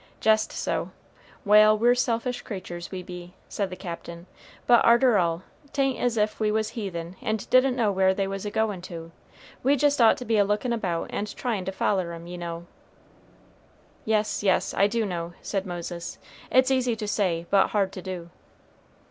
"Jest so. Wal', we're selfish critters, we be," said the Captain; "but arter all, 't ain't as ef we was heathen and didn't know where they was a goin' to. We jest ought to be a lookin' about and tryin' to foller 'em, ye know." "Yes, yes, I do know," said Moses; "it's easy to say, but hard to do."